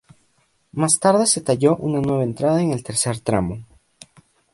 Más tarde se talló una nueva entrada en el tercer tramo.